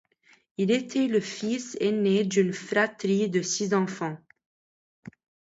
Il était le fils aîné d'une fratrie de six enfants.